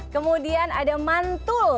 kemudian ada mantul